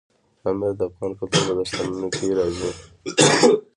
پامیر د افغان کلتور په داستانونو کې راځي.